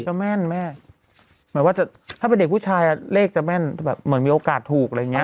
ก็แม่นแม่เหมือนว่าจะถ้าเป็นเด็กผู้ชายอ่ะเลขจะแม่นแบบเหมือนมีโอกาสถูกอะไรอย่างเงี้